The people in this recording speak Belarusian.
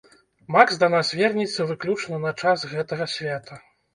Макс да нас вернецца выключна на час гэтага свята.